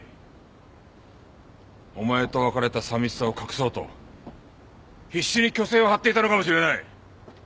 お前と別れた寂しさを隠そうと必死に虚勢を張っていたのかもしれない。